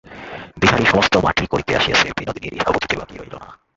বিহারী সমস্ত মাটি করিতে আসিয়াছে, বিনোদিনীর ইহা বুঝিতে বাকি রহিল না।